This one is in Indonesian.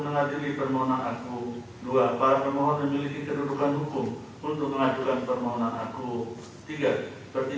kata delapan belas dari dua ribu dua puluh